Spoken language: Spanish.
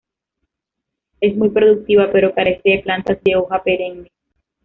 Es muy productiva, pero carece de plantas de hoja perenne.